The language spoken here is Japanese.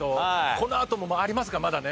このあともありますからまだね。